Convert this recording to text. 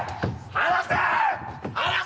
離せ！